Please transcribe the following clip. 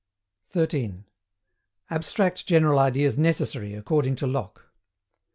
ABSTRACT GENERAL IDEAS NECESSARY, ACCORDING TO LOCKE.